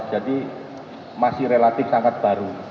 jadi masih relatif sangat baru